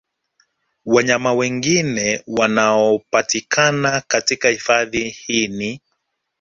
Wanyama wengine wanaopatikana katika hifadhi hii ni